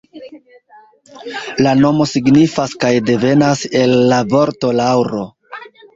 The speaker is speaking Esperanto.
La nomo signifas kaj devenas el la vorto laŭro.